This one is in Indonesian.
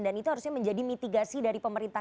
dan itu harusnya menjadi mitigasi dari pemerintah